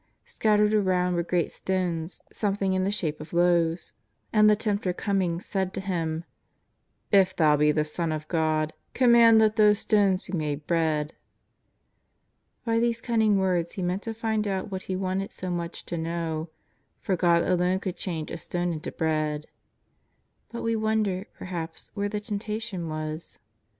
Scattered around were great stones something in the shape of loaves. And the tempter coming said to Him: " If Thou be the Son of God, command that these stones be made bread." By these cunning words he meant to find out what he wanted so much to know, for God alone could change a stone into bread. But we wonder, perhaps, where the temptation was.